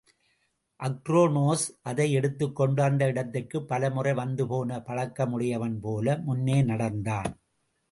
அக்ரோனோஸ் அதை எடுத்துக் கொண்டு அந்த இடத்திற்குப் பலமுறை வந்து போன பழக்கமுடையவன் போல முன்னே நடந்தான்.